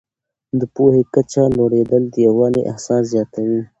د پوهې کچه لوړېدل د یووالي احساس زیاتوي.